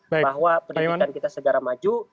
bahwa pendidikan kita segera maju